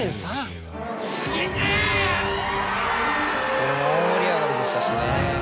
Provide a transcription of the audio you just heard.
これも大盛り上がりでしたしね。